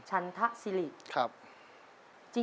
ชันทะซิริ